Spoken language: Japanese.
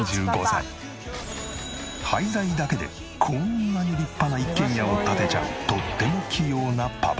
廃材だけでこんなに立派な一軒家を建てちゃうとっても器用なパパ。